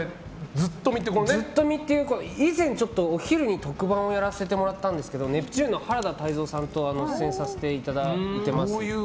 ずっとみという以前、お昼に特番をやらせてもらったんですけどネプチューンの原田泰造さんと出演させていただいてます。